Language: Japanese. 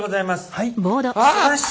はい。